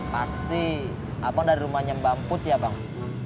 pasti abang dari rumah nyam ba emput ya bang